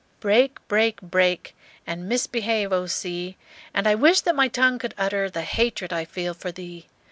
"Break, break, break And mis behave, O sea, And I wish that my tongue could utter The hatred I feel for thee!